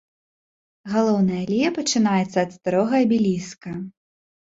Галоўная алея пачынаецца ад старога абеліска.